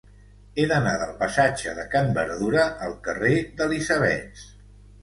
He d'anar del passatge de Can Berdura al carrer d'Elisabets.